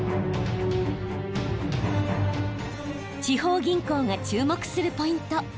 地方銀行が注目するポイント。